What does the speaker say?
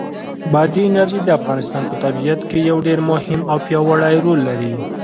بادي انرژي د افغانستان په طبیعت کې یو ډېر مهم او پیاوړی رول لري.